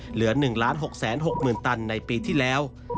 เหลือ๑๖๖๐๐๐ตันในปีที่แล้ว